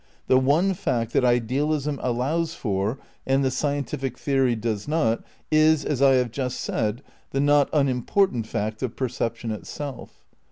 The one fact that idealism allows for and the scientific theory does not, is, as I have just said, the not unimportant fact of perception itself.